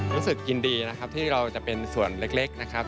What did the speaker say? รู้สึกยินดีนะครับที่เราจะเป็นส่วนเล็กนะครับ